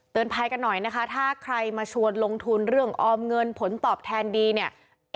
ภายกันหน่อยนะคะถ้าใครมาชวนลงทุนเรื่องออมเงินผลตอบแทนดีเนี่ย